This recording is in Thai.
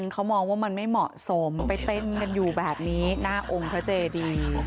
เขามองว่ามันไม่เหมาะสมไปเต้นกันอยู่แบบนี้หน้าองค์พระเจดี